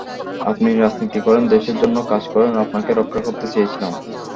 আপনি রাজনীতি করেন, দেশের জন্য কাজ করেন, আপনাকে রক্ষা করতে চেয়েছিলাম।